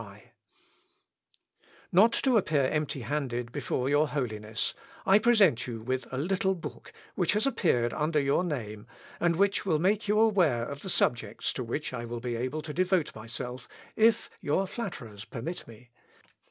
] "Not to appear empty handed before your Holiness, I present you with a little book, which has appeared under your name, and which will make you aware of the subjects to which I will be able to devote myself, if your flatterers permit me.